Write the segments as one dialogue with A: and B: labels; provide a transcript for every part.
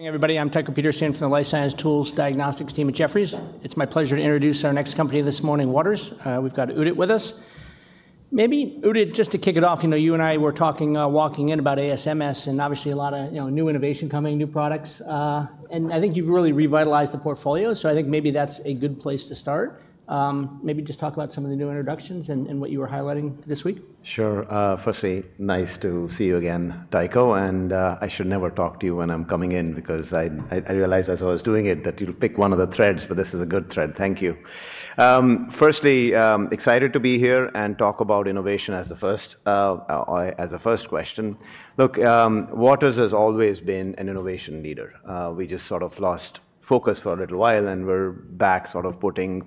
A: Hey, everybody. I'm Ted Kopeters here from the Life Science Tools Diagnostics team at Jefferies. It's my pleasure to introduce our next company this morning, Waters. We've got Udit with us. Maybe Udit, just to kick it off, you know, you and I were talking walking in about ASMS and obviously a lot of new innovation coming, new products. And I think you've really revitalized the portfolio, so I think maybe that's a good place to start. Maybe just talk about some of the new introductions and what you were highlighting this week.
B: Sure. Firstly, nice to see you again, Dyko. I should never talk to you when I'm coming in because I realized as I was doing it that you'd pick one of the threads, but this is a good thread. Thank you. Firstly, excited to be here and talk about innovation as the first question. Look, Waters has always been an innovation leader. We just sort of lost focus for a little while and we're back sort of putting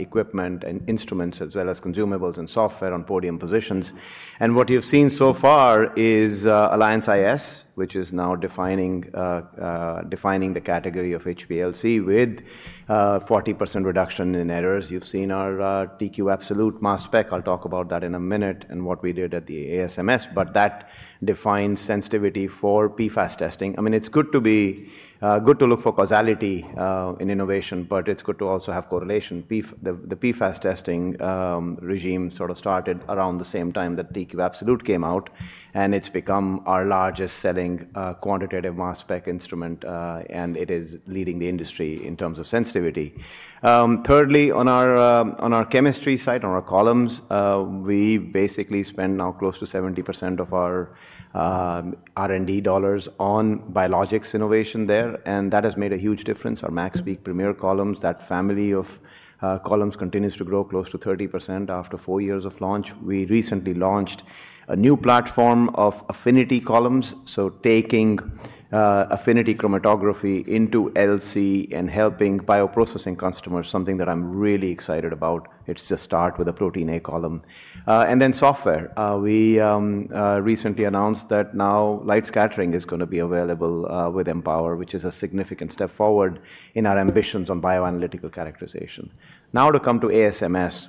B: equipment and instruments as well as consumables and software on podium positions. What you've seen so far is Alliance iS, which is now defining the category of HPLC with 40% reduction in errors. You've seen our TQ Absolute mass spec. I'll talk about that in a minute and what we did at the ASMS, but that defines sensitivity for PFAS testing. I mean, it's good to look for causality in innovation, but it's good to also have correlation. The PFAS testing regime sort of started around the same time that TQ Absolute came out, and it's become our largest selling quantitative mass spec instrument, and it is leading the industry in terms of sensitivity. Thirdly, on our chemistry side, on our columns, we basically spend now close to 70% of our R&D dollars on biologics innovation there, and that has made a huge difference. Our MaxPeak Premier columns, that family of columns, continues to grow close to 30% after four years of launch. We recently launched a new platform of affinity columns, so taking affinity chromatography into LC and helping bioprocessing customers, something that I'm really excited about. It's just start with a protein A column. And then software. We recently announced that now light scattering is going to be available with Empower, which is a significant step forward in our ambitions on bioanalytical characterization. Now to come to ASMS.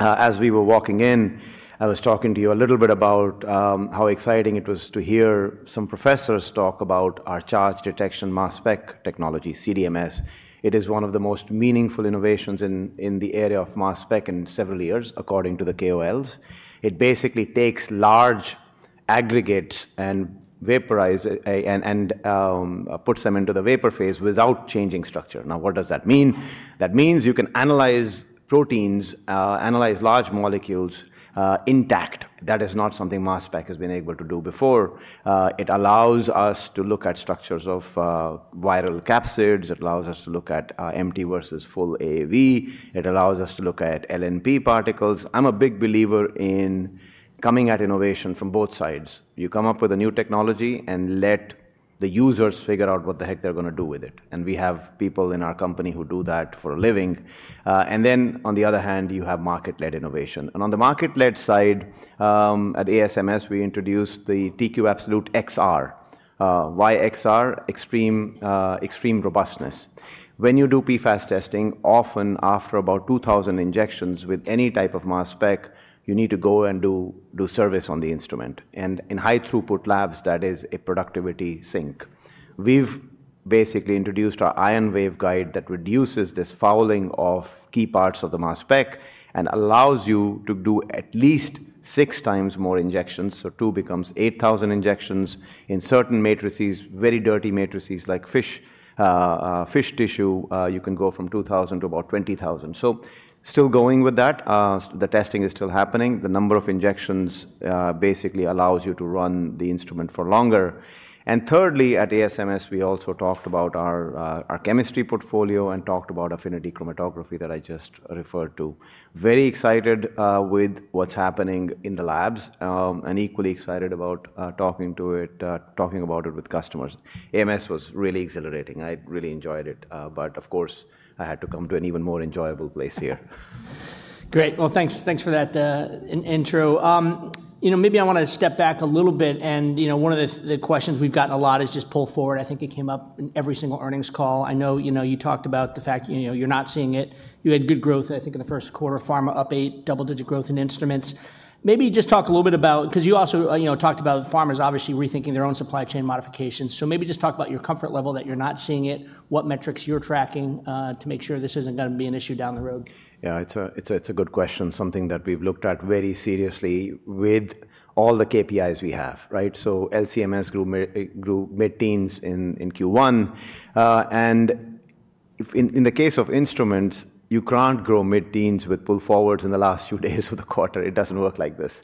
B: As we were walking in, I was talking to you a little bit about how exciting it was to hear some professors talk about our charge detection mass spec technology, CDMS. It is one of the most meaningful innovations in the area of mass spec in several years, according to the KOLs. It basically takes large aggregates and vaporizes and puts them into the vapor phase without changing structure. Now, what does that mean? That means you can analyze proteins, analyze large molecules intact. That is not something mass spec has been able to do before. It allows us to look at structures of viral capsids. It allows us to look at empty versus full AAV. It allows us to look at LNP particles. I'm a big believer in coming at innovation from both sides. You come up with a new technology and let the users figure out what the heck they're going to do with it. We have people in our company who do that for a living. On the other hand, you have market-led innovation. On the market-led side at ASMS, we introduced the TQ Absolute XR, extreme robustness. When you do PFAS testing, often after about 2,000 injections with any type of mass spec, you need to go and do service on the instrument. In high-throughput labs, that is a productivity sink. We've basically introduced our Ion Wave Guide that reduces this fouling of key parts of the mass spec and allows you to do at least six times more injections. Two becomes 8,000 injections in certain matrices, very dirty matrices like fish tissue. You can go from 2,000 to about 20,000. Still going with that, the testing is still happening. The number of injections basically allows you to run the instrument for longer. Thirdly, at ASMS, we also talked about our chemistry portfolio and talked about affinity chromatography that I just referred to. Very excited with what's happening in the labs and equally excited about talking about it with customers. ASMS was really exhilarating. I really enjoyed it. Of course, I had to come to an even more enjoyable place here.
A: Great. Thanks for that intro. Maybe I want to step back a little bit. One of the questions we've gotten a lot is just pull forward. I think it came up in every single earnings call. I know you talked about the fact that you're not seeing it. You had good growth, I think, in the first quarter, pharma up 8%, double-digit growth in instruments. Maybe just talk a little bit about, because you also talked about pharma is obviously rethinking their own supply chain modifications. Maybe just talk about your comfort level that you're not seeing it, what metrics you're tracking to make sure this isn't going to be an issue down the road.
B: Yeah, it's a good question, something that we've looked at very seriously with all the KPIs we have. LCMS grew mid-teens in Q1. In the case of instruments, you can't grow mid-teens with pull forwards in the last few days of the quarter. It doesn't work like this.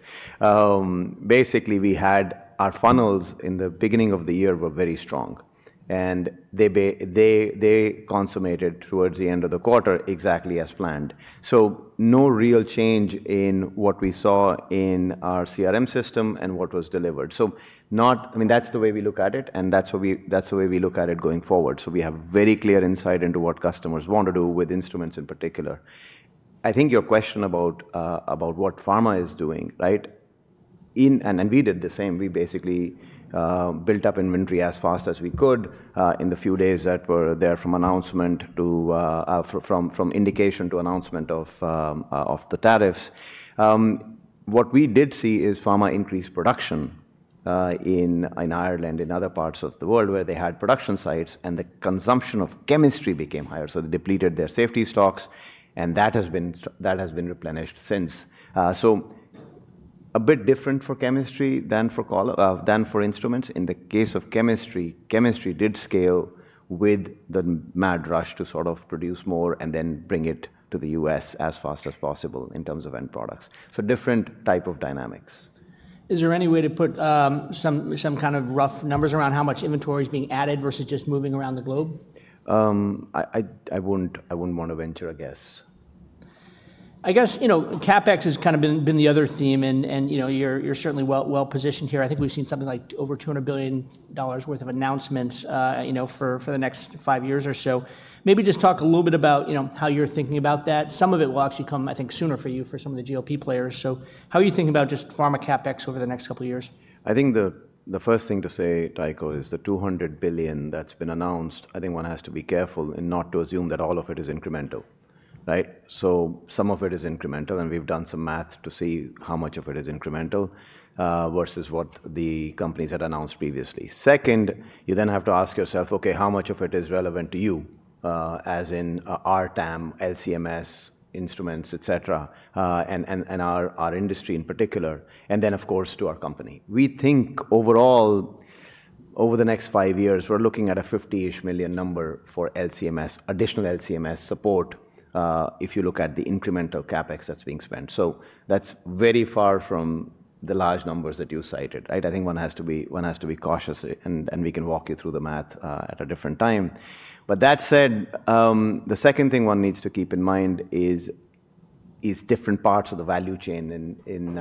B: Basically, we had our funnels in the beginning of the year were very strong, and they consummated towards the end of the quarter exactly as planned. No real change in what we saw in our CRM system and what was delivered. I mean, that's the way we look at it, and that's the way we look at it going forward. We have very clear insight into what customers want to do with instruments in particular. I think your question about what pharma is doing, and we did the same. We basically built up inventory as fast as we could in the few days that were there from indication to announcement of the tariffs. What we did see is pharma increased production in Ireland, in other parts of the world where they had production sites, and the consumption of chemistry became higher. They depleted their safety stocks, and that has been replenished since. A bit different for chemistry than for instruments. In the case of chemistry, chemistry did scale with the mad rush to sort of produce more and then bring it to the U.S. as fast as possible in terms of end products. Different type of dynamics.
A: Is there any way to put some kind of rough numbers around how much inventory is being added versus just moving around the globe?
B: I wouldn't want to venture a guess.
A: I guess CapEx has kind of been the other theme, and you're certainly well positioned here. I think we've seen something like over $200 billion worth of announcements for the next five years or so. Maybe just talk a little bit about how you're thinking about that. Some of it will actually come, I think, sooner for you for some of the CapEx players. How are you thinking about just pharma CapEx over the next couple of years?
B: I think the first thing to say, Dyko, is the $200 billion that's been announced, I think one has to be careful not to assume that all of it is incremental. Some of it is incremental, and we've done some math to see how much of it is incremental versus what the companies had announced previously. Second, you then have to ask yourself, okay, how much of it is relevant to you, as in RTAM, LCMS, instruments, et cetera, and our industry in particular, and then, of course, to our company. We think overall, over the next five years, we're looking at a 50-ish million number for additional LCMS support if you look at the incremental CapEx that's being spent. That's very far from the large numbers that you cited. I think one has to be cautious, and we can walk you through the math at a different time. That said, the second thing one needs to keep in mind is different parts of the value chain in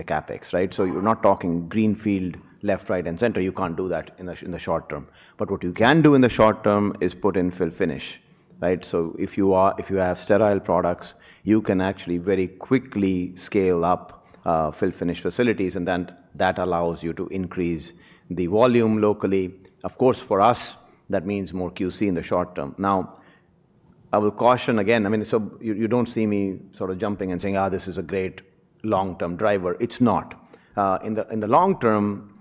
B: the CapEx. You are not talking greenfield left, right, and center. You cannot do that in the short term. What you can do in the short term is put in fill finish. If you have sterile products, you can actually very quickly scale up fill finish facilities, and then that allows you to increase the volume locally. Of course, for us, that means more QC in the short term. I will caution again. I mean, you do not see me sort of jumping and saying, this is a great long-term driver. It is not. In the long term,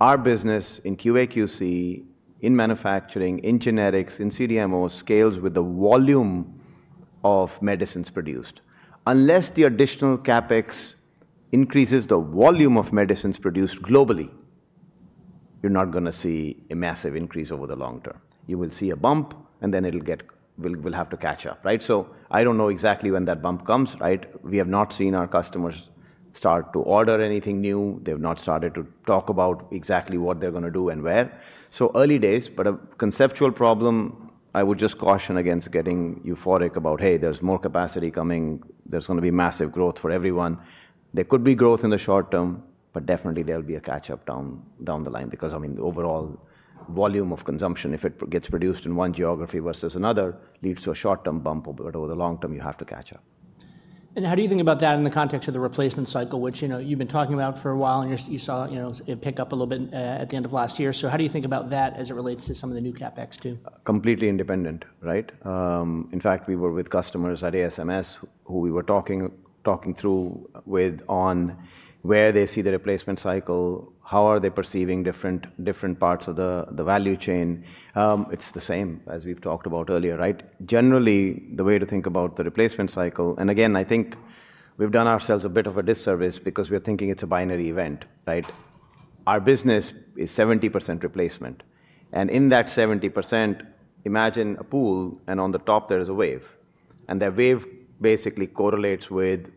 B: our business in QAQC, in manufacturing, in generics, in CDMO scales with the volume of medicines produced. Unless the additional CapEx increases the volume of medicines produced globally, you're not going to see a massive increase over the long term. You will see a bump, and then we'll have to catch up. I don't know exactly when that bump comes. We have not seen our customers start to order anything new. They've not started to talk about exactly what they're going to do and where. Early days, but a conceptual problem, I would just caution against getting euphoric about, hey, there's more capacity coming. There's going to be massive growth for everyone. There could be growth in the short term, but definitely there'll be a catch-up down the line because I mean, the overall volume of consumption, if it gets produced in one geography versus another, leads to a short-term bump, but over the long term, you have to catch up.
A: How do you think about that in the context of the replacement cycle, which you've been talking about for a while and you saw it pick up a little bit at the end of last year? How do you think about that as it relates to some of the new CapEx too?
B: Completely independent. In fact, we were with customers at ASMS who we were talking through with on where they see the replacement cycle, how are they perceiving different parts of the value chain. It is the same as we have talked about earlier. Generally, the way to think about the replacement cycle, and again, I think we have done ourselves a bit of a disservice because we are thinking it is a binary event. Our business is 70% replacement. In that 70%, imagine a pool, and on the top, there is a wave. That wave basically correlates with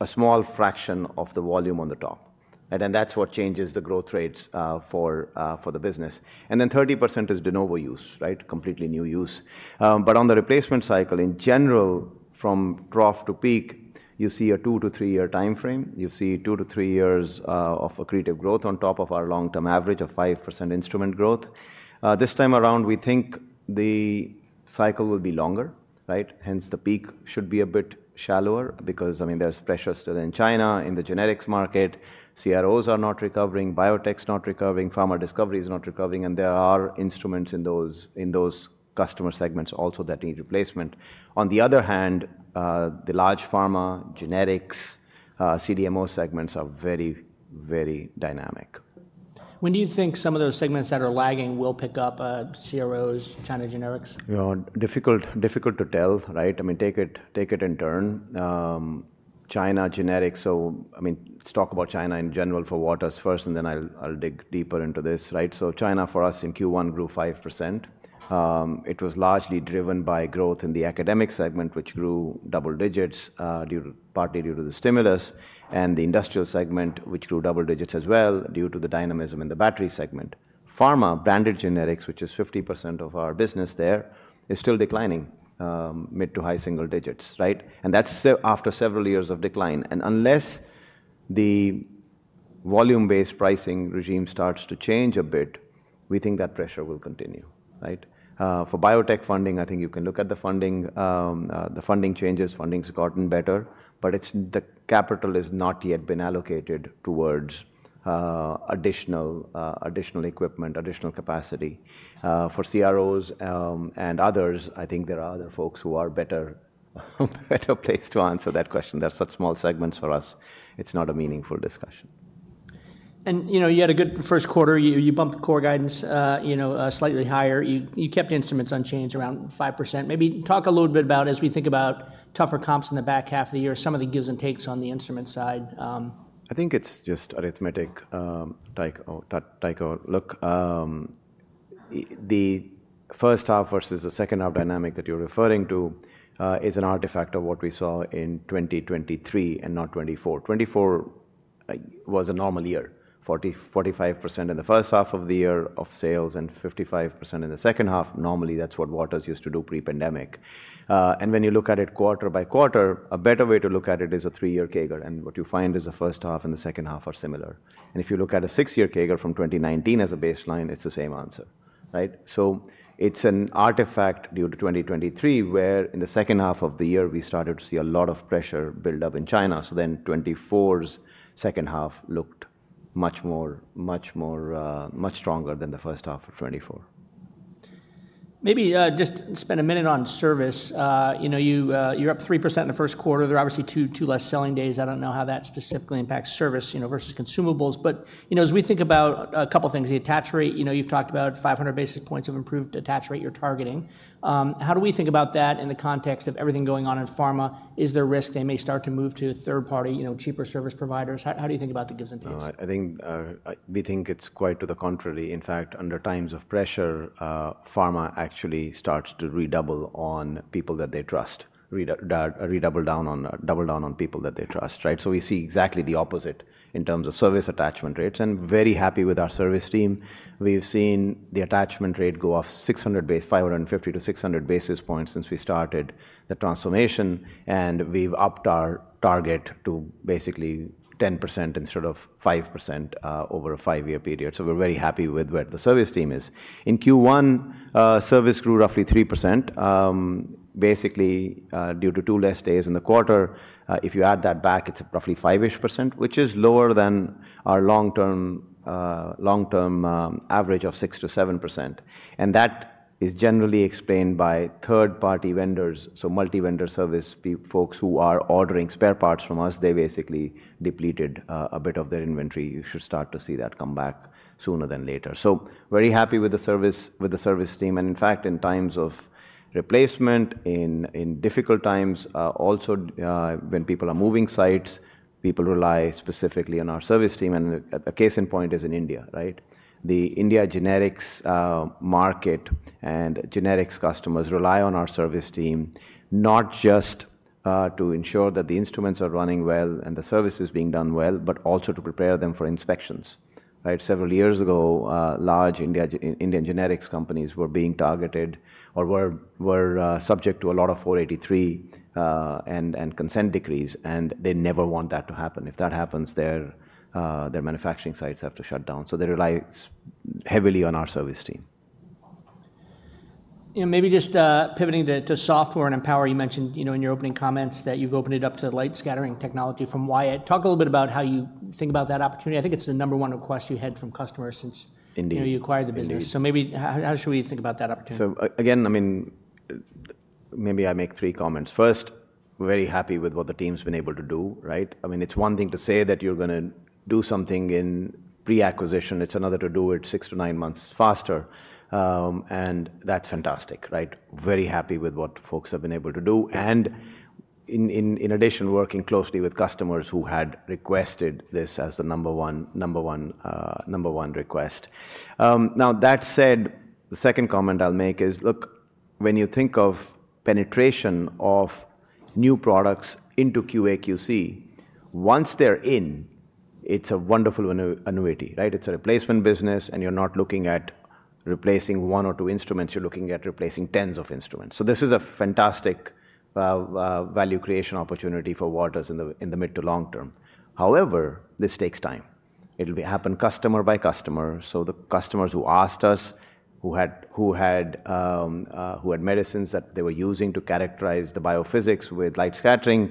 B: a small fraction of the volume on the top. That is what changes the growth rates for the business. Then 30% is de novo use, completely new use. On the replacement cycle, in general, from trough to peak, you see a two- to three-year time frame. You see two to three years of accretive growth on top of our long-term average of 5% instrument growth. This time around, we think the cycle will be longer. Hence, the peak should be a bit shallower because there's pressure still in China in the generics market. CROs are not recovering, biotech's not recovering, pharma discovery is not recovering, and there are instruments in those customer segments also that need replacement. On the other hand, the large pharma, generics, CDMO segments are very, very dynamic.
A: When do you think some of those segments that are lagging will pick up, CROs, China generics?
B: Difficult to tell. I mean, take it in turn. China generics, so let's talk about China in general for Waters first, and then I'll dig deeper into this. China for us in Q1 grew 5%. It was largely driven by growth in the academic segment, which grew double digits partly due to the stimulus, and the industrial segment, which grew double digits as well due to the dynamism in the battery segment. Pharma, branded generics, which is 50% of our business there, is still declining mid to high single digits. That is after several years of decline. Unless the volume-based pricing regime starts to change a bit, we think that pressure will continue. For biotech funding, I think you can look at the funding. The funding changes. Funding's gotten better, but the capital has not yet been allocated towards additional equipment, additional capacity. For CROs and others, I think there are other folks who are a better place to answer that question. They're such small segments for us. It's not a meaningful discussion.
A: You had a good first quarter. You bumped core guidance slightly higher. You kept instruments unchanged around 5%. Maybe talk a little bit about, as we think about tougher comps in the back half of the year, some of the gives and takes on the instrument side.
B: I think it's just arithmetic, Dyko. Look, the first half versus the second half dynamic that you're referring to is an artifact of what we saw in 2023 and not 2024. 2024 was a normal year, 45% in the first half of the year of sales and 55% in the second half. Normally, that's what Waters used to do pre-pandemic. When you look at it quarter by quarter, a better way to look at it is a three-year CAGR. What you find is the first half and the second half are similar. If you look at a six-year CAGR from 2019 as a baseline, it's the same answer. It's an artifact due to 2023, where in the second half of the year, we started to see a lot of pressure build up in China. Then 2024's second half looked much stronger than the first half of 2024.
A: Maybe just spend a minute on service. You're up 3% in the first quarter. There are obviously two less selling days. I don't know how that specifically impacts service versus consumables. As we think about a couple of things, the attach rate, you've talked about 500 basis points of improved attach rate you're targeting. How do we think about that in the context of everything going on in pharma? Is there risk they may start to move to third-party, cheaper service providers? How do you think about the gives and takes?
B: I think we think it's quite to the contrary. In fact, under times of pressure, pharma actually starts to redouble on people that they trust, redouble down on people that they trust. We see exactly the opposite in terms of service attachment rates. Very happy with our service team. We've seen the attachment rate go up 550 to 600 basis points since we started the transformation. We've upped our target to basically 10% instead of 5% over a five-year period. We're very happy with where the service team is. In Q1, service grew roughly 3%, basically due to two less days in the quarter. If you add that back, it's roughly 5% ish, which is lower than our long-term average of 6%-7%. That is generally explained by third-party vendors, so multi-vendor service folks who are ordering spare parts from us. They basically depleted a bit of their inventory. You should start to see that come back sooner than later. Very happy with the service team. In fact, in times of replacement, in difficult times, also when people are moving sites, people rely specifically on our service team. The case in point is in India. The India generics market and generics customers rely on our service team, not just to ensure that the instruments are running well and the service is being done well, but also to prepare them for inspections. Several years ago, large Indian generics companies were being targeted or were subject to a lot of 483 and consent decrees. They never want that to happen. If that happens, their manufacturing sites have to shut down. They rely heavily on our service team.
A: Maybe just pivoting to software and Empower, you mentioned in your opening comments that you've opened it up to light scattering technology from Wyatt. Talk a little bit about how you think about that opportunity. I think it's the number one request you had from customers since you acquired the business. Maybe how should we think about that opportunity?
B: Again, I mean, maybe I make three comments. First, very happy with what the team's been able to do. I mean, it's one thing to say that you're going to do something in pre-acquisition. It's another to do it six to nine months faster. That's fantastic. Very happy with what folks have been able to do. In addition, working closely with customers who had requested this as the number one request. Now, that said, the second comment I'll make is, look, when you think of penetration of new products into QAQC, once they're in, it's a wonderful annuity. It's a replacement business, and you're not looking at replacing one or two instruments. You're looking at replacing tens of instruments. This is a fantastic value creation opportunity for Waters in the mid to long term. However, this takes time. It'll happen customer by customer. The customers who asked us, who had medicines that they were using to characterize the biophysics with light scattering,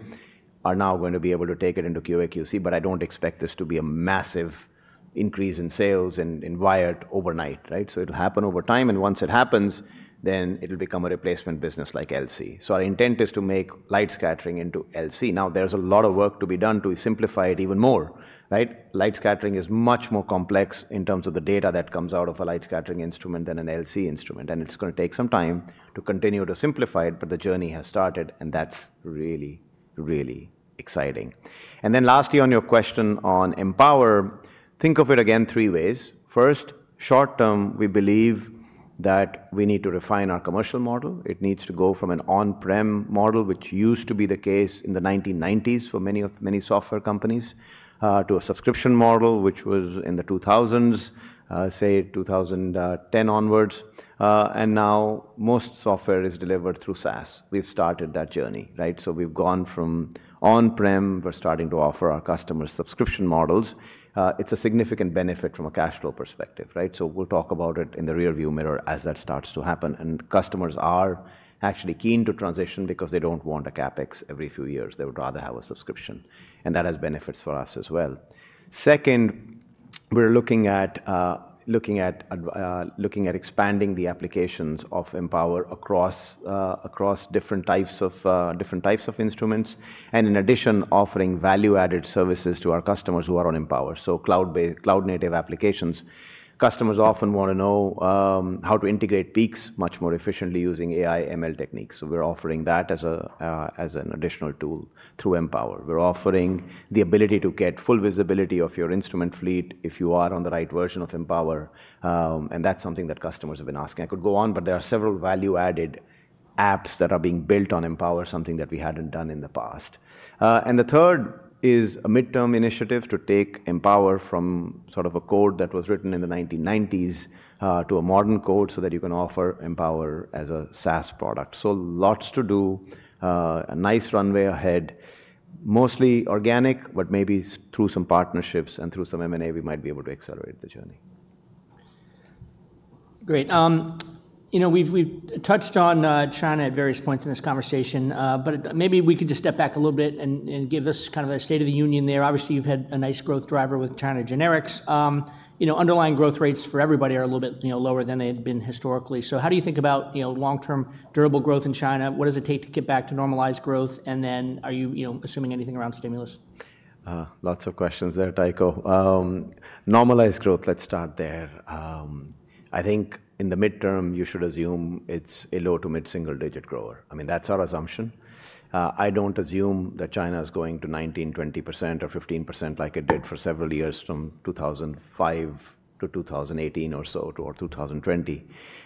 B: are now going to be able to take it into QAQC. I do not expect this to be a massive increase in sales in Wyatt overnight. It will happen over time. Once it happens, then it will become a replacement business like LC. Our intent is to make light scattering into LC. There is a lot of work to be done to simplify it even more. Light scattering is much more complex in terms of the data that comes out of a light scattering instrument than an LC instrument. It is going to take some time to continue to simplify it, but the journey has started, and that is really, really exciting. Lastly, on your question on Empower, think of it again three ways. First, short term, we believe that we need to refine our commercial model. It needs to go from an on-prem model, which used to be the case in the 1990s for many software companies, to a subscription model, which was in the 2000s, say 2010 onwards. Now most software is delivered through SaaS. We've started that journey. We've gone from on-prem. We're starting to offer our customers subscription models. It's a significant benefit from a cash flow perspective. We'll talk about it in the rearview mirror as that starts to happen. Customers are actually keen to transition because they do not want a CapEx every few years. They would rather have a subscription. That has benefits for us as well. Second, we're looking at expanding the applications of Empower across different types of instruments. In addition, offering value-added services to our customers who are on Empower. Cloud-native applications. Customers often want to know how to integrate peaks much more efficiently using AI/ML techniques. We are offering that as an additional tool through Empower. We are offering the ability to get full visibility of your instrument fleet if you are on the right version of Empower. That is something that customers have been asking. I could go on, but there are several value-added apps that are being built on Empower, something that we had not done in the past. The third is a midterm initiative to take Empower from sort of a code that was written in the 1990s to a modern code so that you can offer Empower as a SaaS product. Lots to do, a nice runway ahead, mostly organic, but maybe through some partnerships and through some M&A, we might be able to accelerate the journey.
A: Great. We've touched on China at various points in this conversation, but maybe we could just step back a little bit and give us kind of a state of the union there. Obviously, you've had a nice growth driver with China generics. Underlying growth rates for everybody are a little bit lower than they had been historically. How do you think about long-term durable growth in China? What does it take to get back to normalized growth? Are you assuming anything around stimulus?
B: Lots of questions there, Dyko. Normalized growth, let's start there. I think in the midterm, you should assume it's a low to mid single-digit grower. I mean, that's our assumption. I don't assume that China is going to 19%, 20%, or 15% like it did for several years from 2005 to 2018 or so to 2020.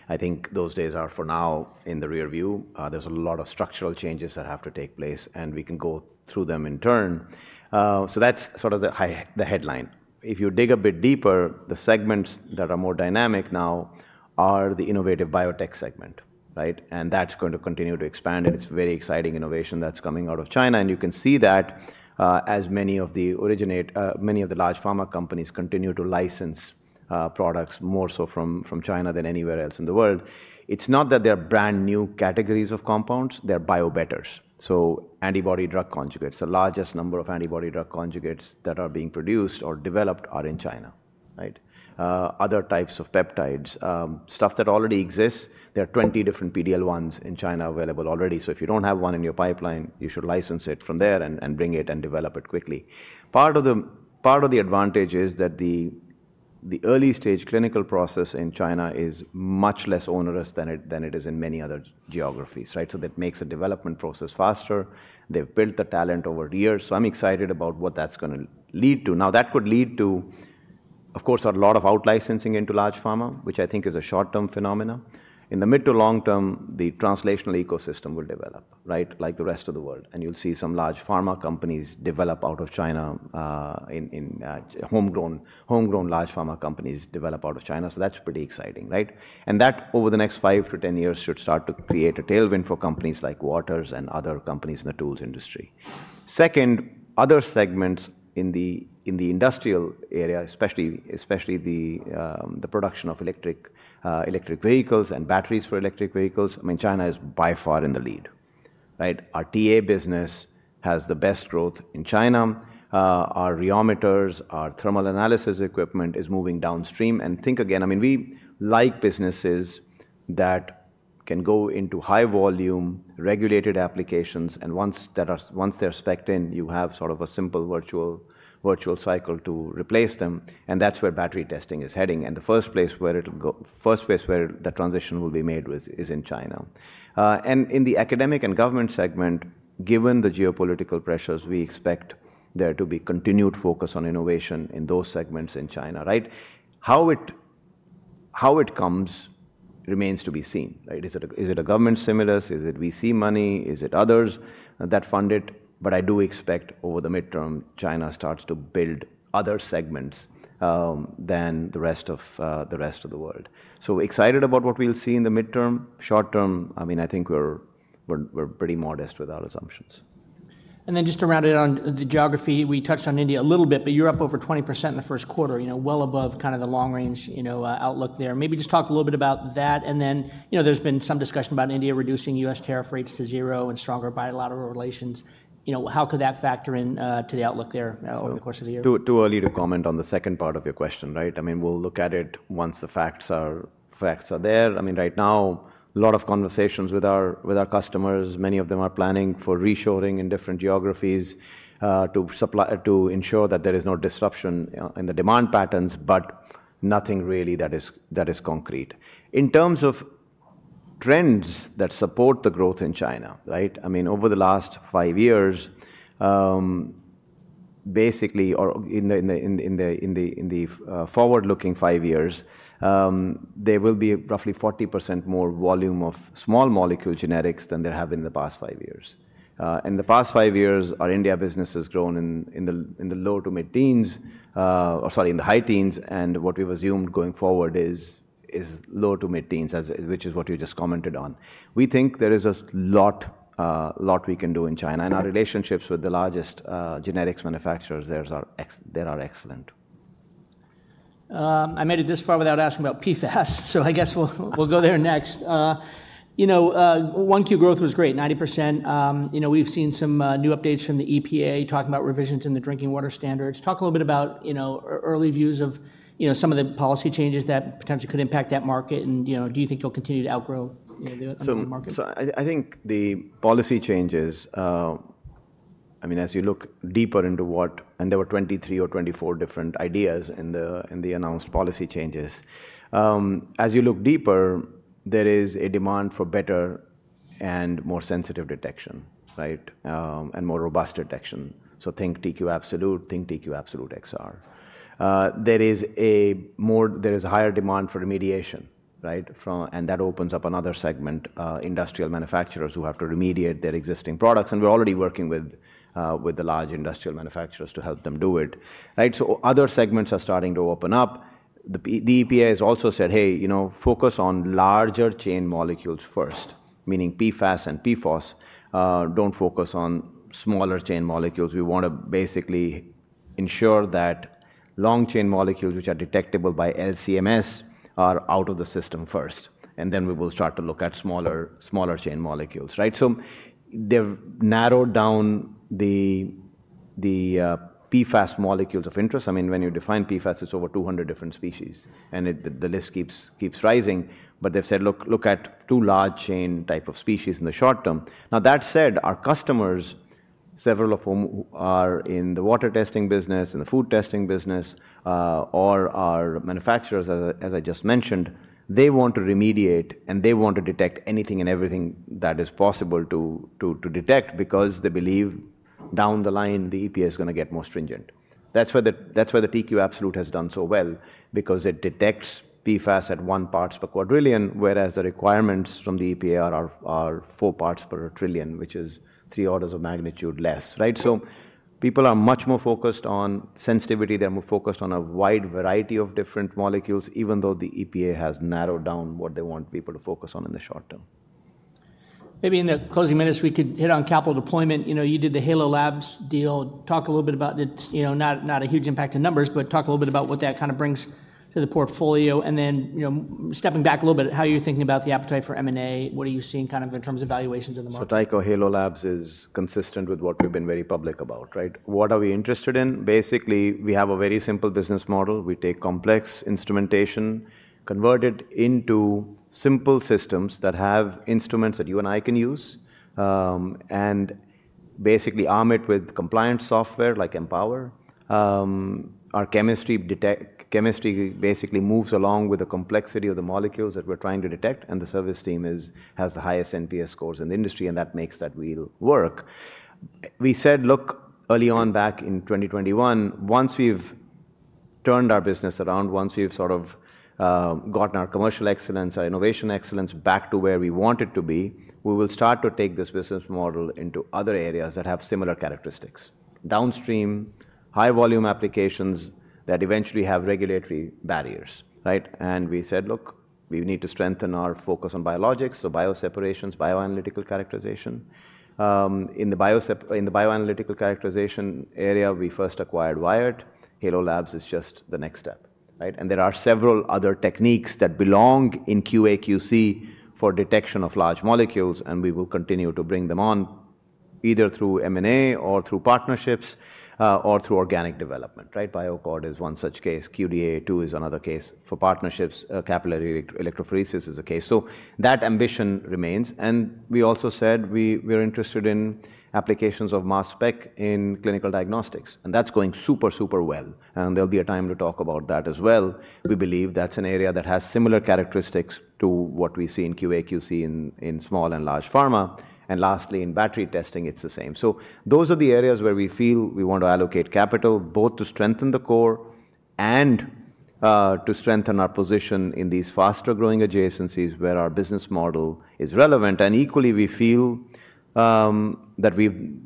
B: I think those days are for now in the rearview. There's a lot of structural changes that have to take place, and we can go through them in turn. That's sort of the headline. If you dig a bit deeper, the segments that are more dynamic now are the innovative biotech segment. That's going to continue to expand. It's a very exciting innovation that's coming out of China. You can see that as many of the large pharma companies continue to license products more so from China than anywhere else in the world. It's not that they're brand new categories of compounds. They're biobetters. Antibody drug conjugates, the largest number of antibody drug conjugates that are being produced or developed are in China. Other types of peptides, stuff that already exists. There are 20 different PDL1s in China available already. If you don't have one in your pipeline, you should license it from there and bring it and develop it quickly. Part of the advantage is that the early-stage clinical process in China is much less onerous than it is in many other geographies. That makes a development process faster. They've built the talent over the years. I'm excited about what that's going to lead to. Now, that could lead to, of course, a lot of outlicensing into large pharma, which I think is a short-term phenomenon. In the mid to long term, the translational ecosystem will develop like the rest of the world. You'll see some large pharma companies develop out of China, homegrown large pharma companies develop out of China. That is pretty exciting. That, over the next 5-10 years, should start to create a tailwind for companies like Waters and other companies in the tools industry. Second, other segments in the industrial area, especially the production of electric vehicles and batteries for electric vehicles, I mean, China is by far in the lead. Our TA business has the best growth in China. Our rheometers, our thermal analysis equipment is moving downstream. Think again, I mean, we like businesses that can go into high-volume regulated applications. Once they're specced in, you have sort of a simple virtual cycle to replace them. That is where battery testing is heading. The first place where the transition will be made is in China. In the academic and government segment, given the geopolitical pressures, we expect there to be continued focus on innovation in those segments in China. How it comes remains to be seen. Is it a government stimulus? Is it VC money? Is it others that fund it? I do expect over the midterm, China starts to build other segments than the rest of the world. Excited about what we'll see in the midterm. Short term, I mean, I think we're pretty modest with our assumptions.
A: Just to round it on the geography, we touched on India a little bit, but you're up over 20% in the first quarter, well above kind of the long-range outlook there. Maybe just talk a little bit about that. There has been some discussion about India reducing U.S. tariff rates to zero and stronger bilateral relations. How could that factor into the outlook there over the course of the year?
B: Too early to comment on the second part of your question. I mean, we'll look at it once the facts are there. I mean, right now, a lot of conversations with our customers, many of them are planning for reshoring in different geographies to ensure that there is no disruption in the demand patterns, but nothing really that is concrete. In terms of trends that support the growth in China, I mean, over the last five years, basically, or in the forward-looking five years, there will be roughly 40% more volume of small molecule generics than there have been in the past five years. In the past five years, our India business has grown in the low to mid teens, or sorry, in the high teens. And what we've assumed going forward is low to mid teens, which is what you just commented on. We think there is a lot we can do in China. Our relationships with the largest generics manufacturers there are excellent.
A: I made it this far without asking about PFAS. I guess we'll go there next. One Q growth was great, 90%. We've seen some new updates from the EPA talking about revisions in the drinking water standards. Talk a little bit about early views of some of the policy changes that potentially could impact that market. Do you think it'll continue to outgrow the market?
B: I think the policy changes, I mean, as you look deeper into what, and there were 23 or 24 different ideas in the announced policy changes. As you look deeper, there is a demand for better and more sensitive detection and more robust detection. Think TQ Absolute, think TQ Absolute XR. There is a higher demand for remediation. That opens up another segment, industrial manufacturers who have to remediate their existing products. We're already working with the large industrial manufacturers to help them do it. Other segments are starting to open up. The EPA has also said, hey, focus on larger chain molecules first, meaning PFAS and PFOS. Don't focus on smaller chain molecules. We want to basically ensure that long-chain molecules, which are detectable by LCMS, are out of the system first. Then we will start to look at smaller chain molecules. They've narrowed down the PFAS molecules of interest. I mean, when you define PFAS, it's over 200 different species. The list keeps rising. They've said, look at two large chain type of species in the short term. That said, our customers, several of whom are in the water testing business, in the food testing business, or are manufacturers, as I just mentioned, want to remediate and want to detect anything and everything that is possible to detect because they believe down the line, the EPA is going to get more stringent. That's why the TQ Absolute has done so well, because it detects PFAS at one parts per quadrillion, whereas the requirements from the EPA are four parts per trillion, which is three orders of magnitude less. People are much more focused on sensitivity. They're more focused on a wide variety of different molecules, even though the EPA has narrowed down what they want people to focus on in the short term.
A: Maybe in the closing minutes, we could hit on capital deployment. You did the Halo Labs deal. Talk a little bit about it. Not a huge impact in numbers, but talk a little bit about what that kind of brings to the portfolio. Then stepping back a little bit, how are you thinking about the appetite for M&A? What are you seeing kind of in terms of valuations in the market?
B: Dyko, Halo Labs is consistent with what we've been very public about. What are we interested in? Basically, we have a very simple business model. We take complex instrumentation, convert it into simple systems that have instruments that you and I can use, and basically arm it with compliance software like Empower. Our chemistry basically moves along with the complexity of the molecules that we're trying to detect. The service team has the highest NPS scores in the industry, and that makes that wheel work. We said, look, early on back in 2021, once we've turned our business around, once we've sort of gotten our commercial excellence, our innovation excellence back to where we want it to be, we will start to take this business model into other areas that have similar characteristics. Downstream, high-volume applications that eventually have regulatory barriers. We said, look, we need to strengthen our focus on biologics. Bioseparations, bioanalytical characterization. In the bioanalytical characterization area, we first acquired Wyatt. Halo Labs is just the next step. There are several other techniques that belong in QAQC for detection of large molecules. We will continue to bring them on either through M&A or through partnerships or through organic development. BioCord is one such case. QDA2 is another case for partnerships. Capillary electrophoresis is a case. That ambition remains. We also said we're interested in applications of mass spec in clinical diagnostics. That is going super, super well. There will be a time to talk about that as well. We believe that is an area that has similar characteristics to what we see in QAQC in small and large pharma. Lastly, in battery testing, it is the same. Those are the areas where we feel we want to allocate capital, both to strengthen the core and to strengthen our position in these faster-growing adjacencies where our business model is relevant. Equally, we feel that we've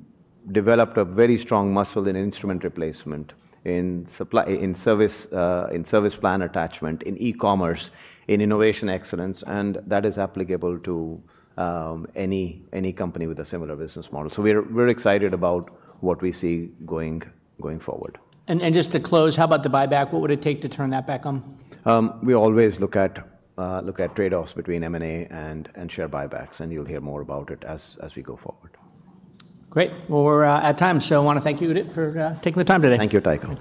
B: developed a very strong muscle in instrument replacement, in service plan attachment, in e-commerce, in innovation excellence. That is applicable to any company with a similar business model. We're excited about what we see going forward.
A: Just to close, how about the buyback? What would it take to turn that back on?
B: We always look at trade-offs between M&A and share buybacks. You will hear more about it as we go forward.
A: Great. We're at time. I want to thank you, Udit, for taking the time today.
B: Thank you, Tika.